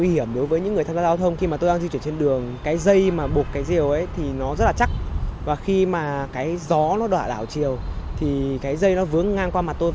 sẽ nguy hiểm đến mức như thế nào